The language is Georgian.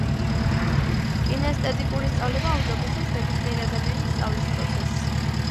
კინესტეტიკური სწავლება აუმჯობესებს ნებისმიერი ადამიანის სწავლის პროცესს.